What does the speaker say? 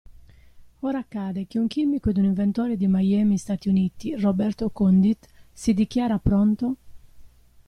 Ora accade che un chimico ed un inventore di Miami (Stati Uniti), Roberto Condit, si dichiara pronto…